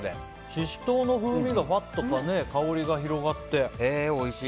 シシトウの風味がふわっと香りが広がって。